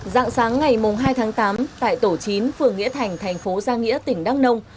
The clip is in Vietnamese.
dạng sáng ngày hai tháng tám tại tổ chín phường nghĩa thành thành phố giang nghĩa tỉnh đắk nông